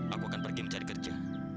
aku akan pergi mencari kerja